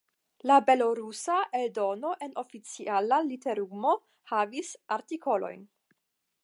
La belorusa eldono en oficiala literumo havis artikolojn.